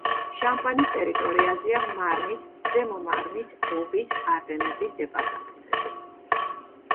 შამპანის ტერიტორიაზეა მარნის, ზემო მარნის, ობის, არდენების, დეპარტამენტები.